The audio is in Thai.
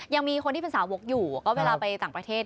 ยังมีคนที่เป็นสาวกอยู่ก็เวลาไปต่างประเทศ